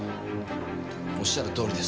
おっしゃるとおりです。